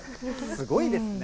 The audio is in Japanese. すごいですね。